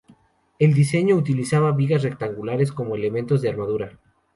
El diseño "utilizaba vigas rectangulares como elementos de armadura".